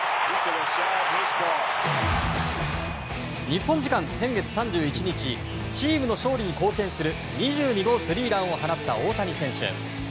日本時間先月３１日チームの勝利に貢献する２２号スリーランを放った大谷選手。